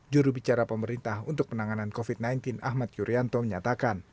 jurubicara pemerintah untuk penanganan covid sembilan belas ahmad yuryanto menyatakan